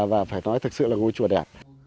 và phải nói thật sự là ngôi chùa đẹp